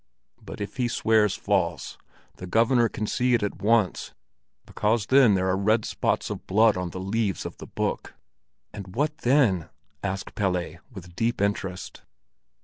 But if he swears false, the Governor can see it at once, because then there are red spots of blood on the leaves of the book." "And what then?" asked Pelle, with deep interest.